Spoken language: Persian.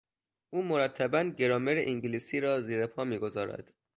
او مرتبا گرامر انگلیسی را زیرپا میگذارد.